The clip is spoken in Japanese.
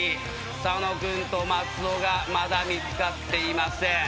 佐野君と松尾がまだ見つかっていません。